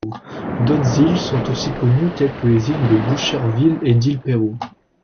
D'autres îles sont aussi connues, telles que les îles de Boucherville et l'île Perrot.